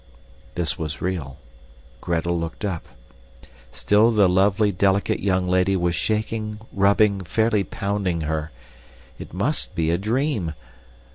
This was real. Gretel looked up. Still the lovely delicate young lady was shaking, rubbing, fairly pounding her. It must be a dream.